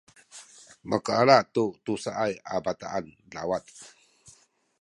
makaala tu tusa a bataan lawat